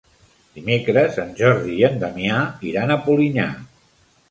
Dimecres en Jordi i en Damià iran a Polinyà.